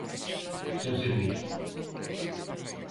Sen servizo.